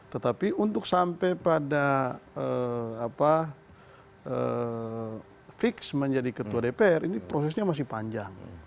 tetapi untuk sampai pada fix menjadi ketua dpr ini prosesnya masih panjang